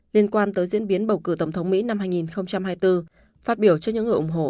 liên quan tới diễn biến bầu cử tổng thống mỹ năm hai nghìn hai mươi bốn phát biểu cho những người ủng hộ